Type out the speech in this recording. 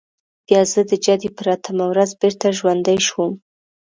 بیا زه د جدي پر اتمه ورځ بېرته ژوندی شوم.